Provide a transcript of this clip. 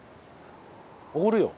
おごるよ。